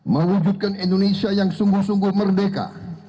mewujudkan indonesia yang sungguh sungguh merdeka